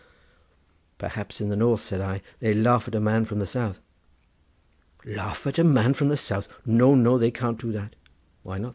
"Perhaps in the north," said I, "they laugh at a man from the south." "Laugh at a man from the south! No, no; they can't do that." "Why not?"